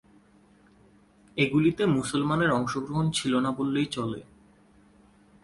এগুলিতে মুসলমানের অংশগ্রহণ ছিল না বললেই চলে।